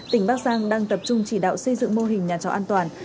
tỉnh bắc giang đang tập trung chỉ đạo xây dựng mô hình nhà trọ an toàn